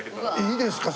いいですか？